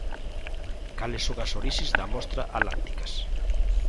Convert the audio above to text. Cales son as orixes da mostra Atlánticas.